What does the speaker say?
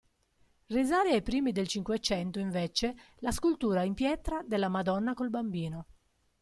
Risale ai primi del cinquecento invece la scultura in pietra della "Madonna col Bambino".